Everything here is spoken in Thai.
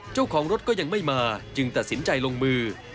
เจ้าของรถก็ยังไม่มาจึงตัดสินใจลงมือ